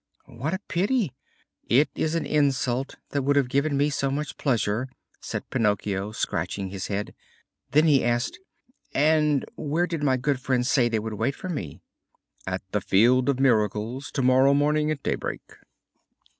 "What a pity! It is an insult that would have given me so much pleasure!" said Pinocchio, scratching his head. He then asked: "And where did my good friends say they would wait for me?" "At the Field of Miracles, tomorrow morning at daybreak."